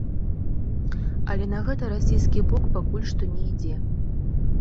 Але на гэта расійскі бок пакуль што не ідзе.